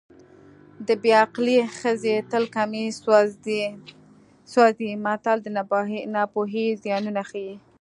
د بې عقلې ښځې تل کمیس سوځي متل د ناپوهۍ زیانونه ښيي